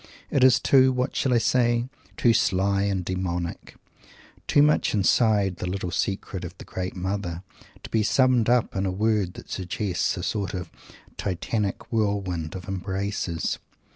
It is too what shall I say? too sly and demonic too much inside the little secrets of the great Mother to be summed up in a word that suggests a sort of Titanic whirlwind of embraces.